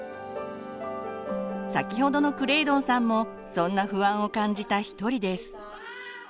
先ほどのクレイドンさんもそんな不安を感じた一人です。